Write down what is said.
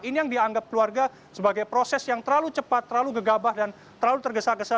ini yang dianggap keluarga sebagai proses yang terlalu cepat terlalu gegabah dan terlalu tergesa gesa